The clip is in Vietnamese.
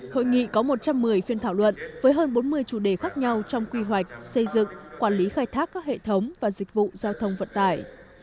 hội nghị có một trăm một mươi phiên thảo luận với hơn bốn mươi chủ đề khác nhau trong quy hoạch xây dựng quản lý khai thác các hệ thống và dịch vụ giao thông vận tải